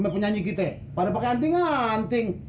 penyanyi kita pada pakai antingan anting